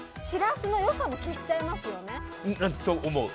しらすの良さも消しちゃいますよね。